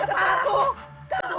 taukah kamu mengambil kepadaku